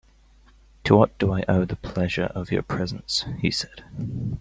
"To what do I owe the pleasure of your presence," he said.